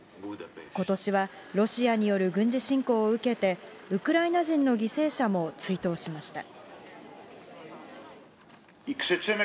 ことしは、ロシアによる軍事侵攻を受けて、ウクライナ人の犠牲者も追悼しました。